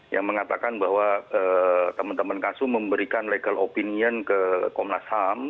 yang mengatakan bahwa teman teman kasum memberikan legal opinion ke komnas ham